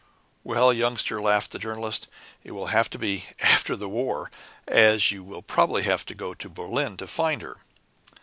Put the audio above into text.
"Well, Youngster," laughed the Journalist, "it will have to be 'after the war,' as you will probably have to go to Berlin to find her."